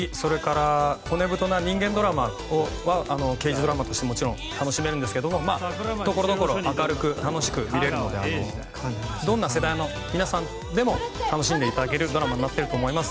それから骨太な人間ドラマ人間ドラマとしても楽しめますが所々、明るく楽しく見れるのでどんな世代の皆さんでも楽しんでいただけるドラマになっていると思います。